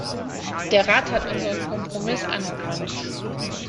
Der Rat hat unseren Kompromiss anerkannt.